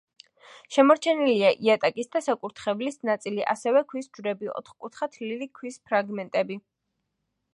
შემორჩენილია იატაკის და საკურთხევლის ნაწილი, ასევე ქვის ჯვრები, ოთკუთხა თლილი ქვის ფრაგმენტები.